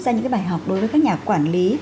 ra những bài học đối với các nhà quản lý